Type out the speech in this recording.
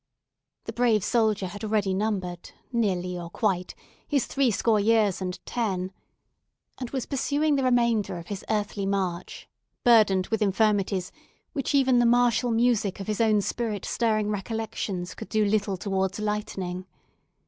The brave soldier had already numbered, nearly or quite, his three score years and ten, and was pursuing the remainder of his earthly march, burdened with infirmities which even the martial music of his own spirit stirring recollections could do little towards lightening.